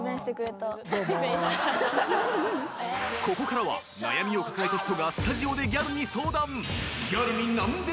［ここからは悩みを抱えた人がスタジオでギャルに相談］